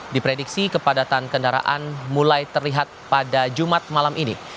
diprediksi kepadatan kendaraan mulai terlihat pada jumat malam ini